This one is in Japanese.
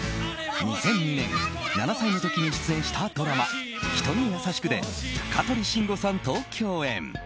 ２００２年７歳の時に出演したドラマ「人にやさしく」で香取慎吾さんと共演。